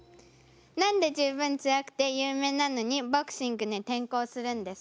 何で十分強くて有名なのにボクシングに転向するんですか？